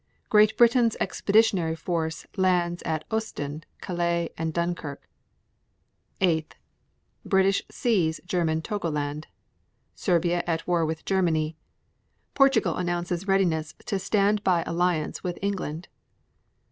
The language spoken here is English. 7. Great Britain's Expeditionary Force lands at Ostend, Calais and Dunkirk. 8. British seize German Togoland. 8. Serbia at war with Germany. 8. Portugal announces readiness to stand by alliance with England.